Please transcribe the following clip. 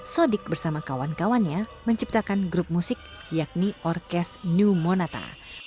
sodik bersama kawan kawannya menciptakan grup musik yakni orkes new monata